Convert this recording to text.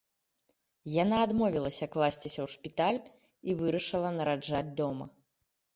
Яна адмовілася класціся ў шпіталь і вырашыла нараджаць дома.